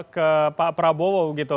ke pak prabowo gitu